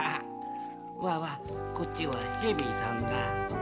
わっわっこっちはヘビさんが。